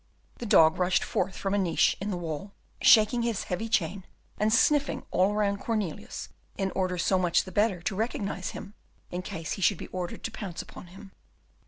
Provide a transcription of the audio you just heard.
The dog rushed forth from a niche in the wall, shaking his heavy chain, and sniffing all round Cornelius in order so much the better to recognise him in case he should be ordered to pounce upon him.